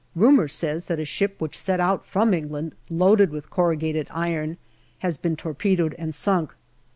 Rumour says that a ship which set out from England loaded with corrugated iron has been tor pedoed and sunk.